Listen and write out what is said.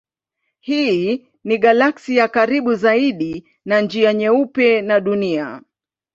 Hii ni galaksi ya karibu zaidi na Njia Nyeupe na Dunia.